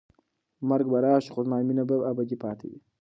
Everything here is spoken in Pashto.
مرګ به راشي خو زما مینه به ابدي پاتې وي.